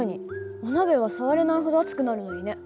お鍋は触れないほど熱くなるのにね。